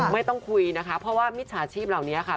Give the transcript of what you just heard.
ไม่ต้องคุยนะคะเพราะว่ามิจฉาชีพเหล่านี้ค่ะ